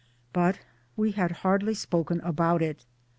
But we had hardly spoken about it.